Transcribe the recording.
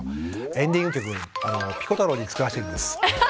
エンディング曲ピコ太郎に作らせているんです。